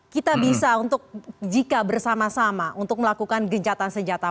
kita bisa untuk jika bersama sama untuk melakukan gencatan senjata